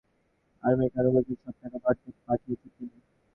আমেরিকায় উপার্জিত সব টাকা ভারতে পাঠিয়ে দিচ্ছি।